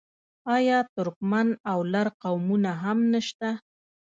آیا ترکمن او لر قومونه هم نشته؟